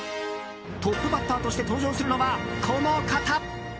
トップバッターとして登場するのは、この方。